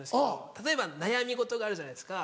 例えば悩み事があるじゃないですか。